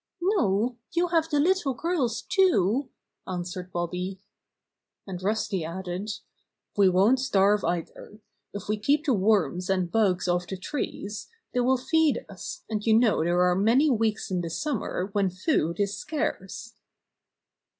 "No, you have the little girl's too," answered Bobby. And Rusty added : "We won't starve either. If we keep the worms and bugs off the trees, they will feed us, and you know there are many weeks in the summer when food is scarce."